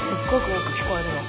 よく聞こえるの。